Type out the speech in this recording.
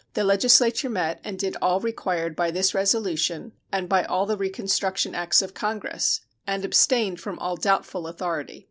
The legislature met and did all required by this resolution and by all the reconstruction acts of Congress, and abstained from all doubtful authority.